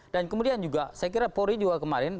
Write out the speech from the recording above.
dan kemudian juga saya kira polri juga kemarin